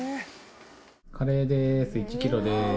カレーです、１キロです。